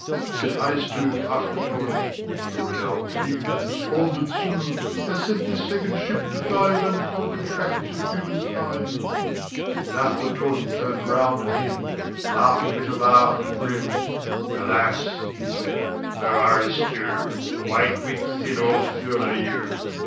Said Aristu to Aflatun "Surely our King, despondent soon, Has sent this second ship to find Unconquered tracts of humankind." But Aflatun turned round on him Laughing a bitter laugh and grim. "Alas," he said, "O Aristu, A white weak thin old fool are you.